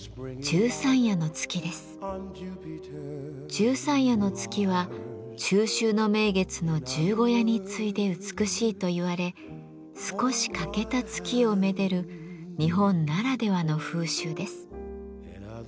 十三夜の月は中秋の名月の十五夜に次いで美しいといわれ少し欠けた月をめでる日本ならではの風習です。